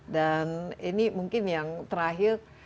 dan ini mungkin yang terakhir